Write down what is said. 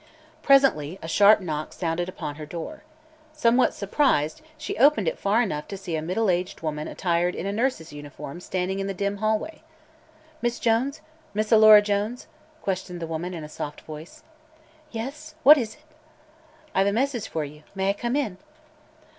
Presently a sharp knock sounded upon her door. Somewhat surprised, she opened it far enough to see a middle aged woman attired in nurse's uniform standing in the dim hallway. "Miss Jones? Miss Alora Jones?" questioned the woman in a soft voice. "Yes; what is it?" "I've a message for you. May I come in?"